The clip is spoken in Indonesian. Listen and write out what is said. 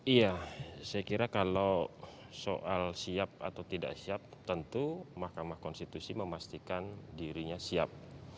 iya saya kira kalau soal siap atau tidak siap tentu mahkamah konstitusi memastikan dirinya siap